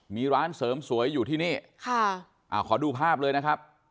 มีร้านเสริมสวยอยู่ที่นี่ค่ะอ่าขอดูภาพเลยนะครับ